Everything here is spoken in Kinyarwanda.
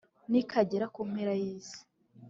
rikagera ku mpera y`isi